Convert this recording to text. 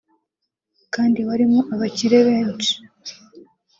kandi warimo abakire benshi